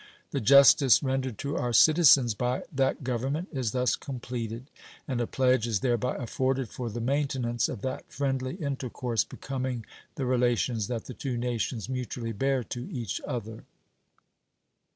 The justice rendered to our citizens by that Government is thus completed, and a pledge is thereby afforded for the maintenance of that friendly intercourse becoming the relations that the two nations mutually bear to each other.